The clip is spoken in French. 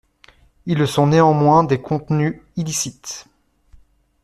Ils le sont néanmoins des contenus illicites.